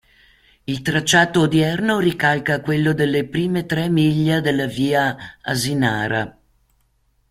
Il tracciato odierno ricalca quello delle prime tre miglia della via Asinara.